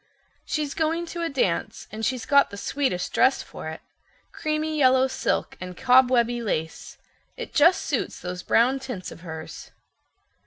"She's going to a dance, and she's got the sweetest dress for it—creamy yellow silk and cobwebby lace. It just suits those brown tints of hers."